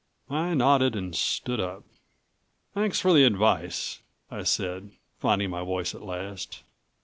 I nodded and stood up. "Thanks for the advice," I said, finding my voice at last.